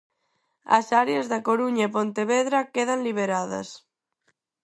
As áreas da Coruña e Pontevedra quedan liberadas.